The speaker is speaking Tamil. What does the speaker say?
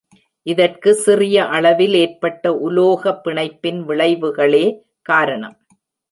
இதற்கு சிறிய அளவில் ஏற்பட்ட உலோக பிணைப்பின் விளைவுகளே காரணம்.